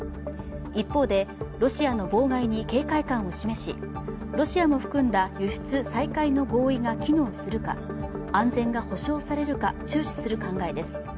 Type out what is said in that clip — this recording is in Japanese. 一方で、ロシアの妨害に警戒感を示しロシアも含んだ輸出再開の合意が機能するか、安全が保障されるか注視する考えです。